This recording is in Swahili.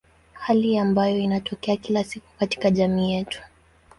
Hali ambayo inatokea kila siku katika jamii yetu.